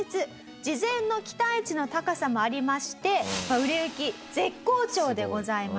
事前の期待値の高さもありまして売れ行き絶好調でございます。